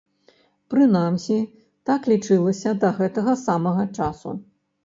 Прынамсі, так лічылася да гэтага самага часу.